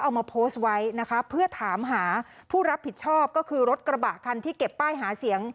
เอามาโพสต์ไว้นะคะเพื่อถามหาผู้รับผิดชอบก็คือรถกระบะคันที่เก็บป้ายหาเสียง